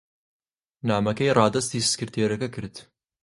نامەکەی ڕادەستی سکرتێرەکە کرد.